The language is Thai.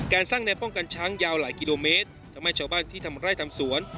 สร้างแนวป้องกันช้างยาวหลายกิโลเมตรทำให้ชาวบ้านที่ทำไร่ทำสวน